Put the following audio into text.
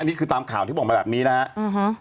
นี่คือตามข่าวที่บอกมาแบบนี้นะฮะอ่าฮะ